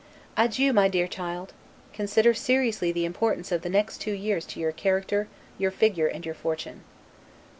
Adieu my dear child! Consider seriously the importance of the two next years to your character, your figure, and your fortune.